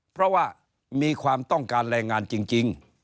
เพราะว่ามีความต้องการแรงงานจริง